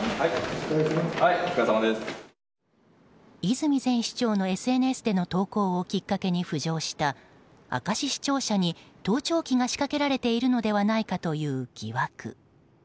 泉前市長のＳＮＳでの投稿をきっかけに浮上した明石市庁舎に盗聴器が仕掛けられているのではないかという疑惑。